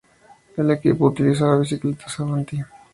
El equipo utilizaba bicicletas Avanti.